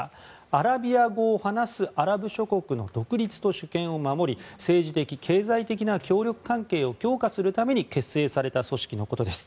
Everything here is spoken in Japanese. アラビア語を話すアラブ諸国の独立と主権を守り政治的・経済的な協力関係を強化するために結成された組織のことです。